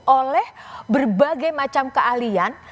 oleh berbagai macam keahlian